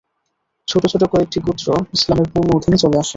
ছোট ছোট কয়েকটি গোত্র ইসলামের পূর্ণ অধীনে চলে আসে।